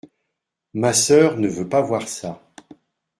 Ma sœur ne veut pas voir ça.